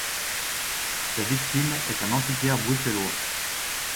Sa victime est un antiquaire bruxellois.